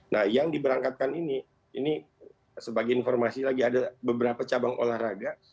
nah yang diberangkatkan ini ini sebagai informasi lagi ada beberapa cabang olahraga